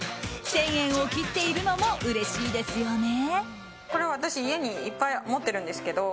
１０００円を切っているのもうれしいですよね。